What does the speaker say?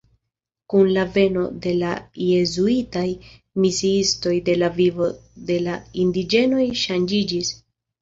Kun la veno de la jezuitaj misiistoj la vivo de la indiĝenoj ŝanĝiĝis.